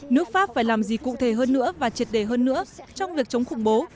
nước pháp phải làm gì cụ thể hơn nữa và triệt đề hơn nữa trong việc chống khủng bố